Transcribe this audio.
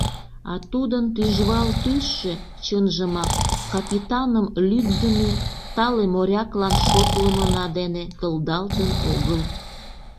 А тудын тӱжвал тӱсшӧ, чынжымак, капитаным лӱддымӧ, тале моряклан шотлымына дене кылдалтын огыл.